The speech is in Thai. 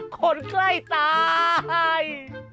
คนใกล้ตาย